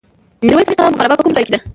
میرویس نیکه مقبره په کوم ځای کې ده؟